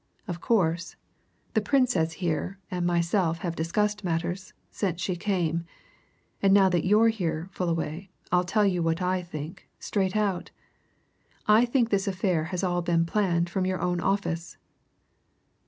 Of course, the Princess here and myself have discussed matters since she came. And now that you're here, Fullaway, I'll tell you what I think straight out. I think this affair has all been planned from your own office!"